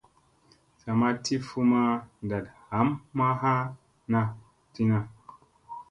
Sa ma ti fu ma ndat ɦammana a tina.